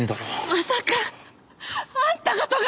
まさかあんたが斗ヶ